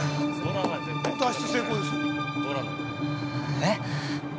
えっ！